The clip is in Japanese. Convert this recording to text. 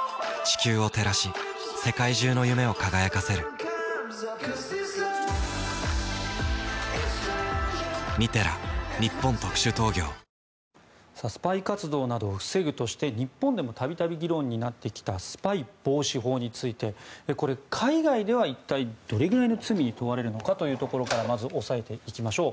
アサヒのサプリ「ディアナチュラ」スパイ活動などを防ぐとして日本でも度々議論になってきたスパイ防止法について海外では一体どれくらいの罪に問われるのかというところからまず押さえていきましょう。